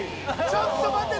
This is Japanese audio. ちょっと待て。